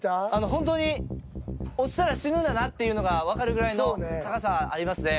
本当に落ちたら死ぬんだなっていうのがわかるぐらいの高さありますね。